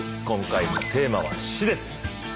今回のテーマは「死」です。